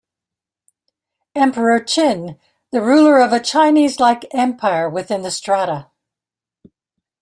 Emperor Qin: The ruler of a Chinese-like empire within the strata.